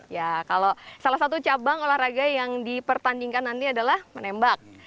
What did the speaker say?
ya kalau salah satu cabang olahraga yang dipertandingkan nanti adalah menembak